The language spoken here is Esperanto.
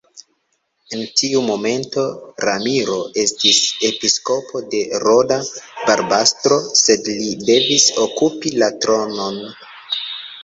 En tiu momento Ramiro estis episkopo de Roda-Barbastro, sed li devis okupi la tronon.